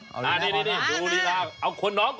เห็นตัวเรื่องไม่รอบ